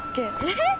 えっ？